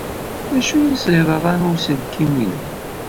D acu ay as-yeḍran i uselkim-inu?